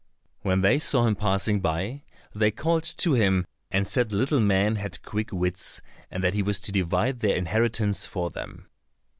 When they saw him passing by, they called to him and said little men had quick wits, and that he was to divide their inheritance for them.